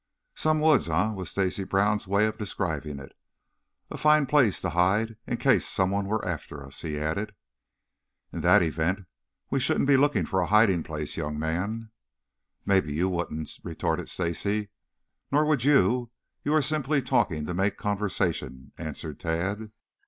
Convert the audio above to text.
"Some woods, eh?" was Stacy Brown's way of describing it. "A fine place to hide, in case someone were after us," he added. "In that event we shouldn't be looking for a hiding place, young man!" "Maybe you wouldn't," retorted Stacy. "Nor would you. You are simply talking to make conversation," answered Tad.